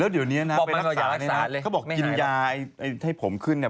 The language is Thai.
เดี๋ยวนี้นะพอไปรักษาในศาลเขาบอกกินยาให้ผมขึ้นเนี่ย